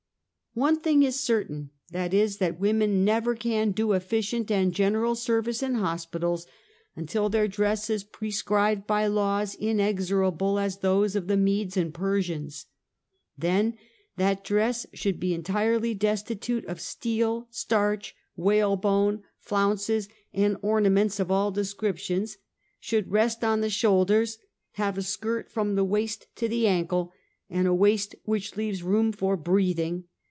One thing is certain, i. e., that women never can do efficient and general service in hospitals until their dress is prescribed by laws inexorable as those of the Modes and Persians. Then, that dress should be entirely destitute of steel, starch, whale bone, flounces, and ornaments of all descriptions; sliould rest on the shoulders, have a skirt from the waist to the ankle, and a waist which leaves room for breathing.